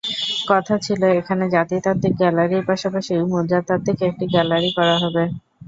কথা ছিল, এখানে জাতিতাত্ত্বিক গ্যালারির পাশাপাশি মুদ্রাতাত্ত্বিক একটি গ্যালারি করা হবে।